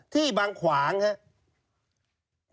ที่บางขวางครับ